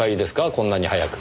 こんなに早く。